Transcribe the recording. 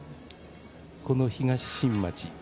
この東新町。